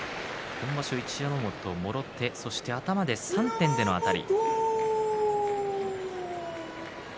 一山本もろ手、そして頭で３点でのあたり。